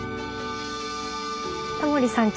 タモリさん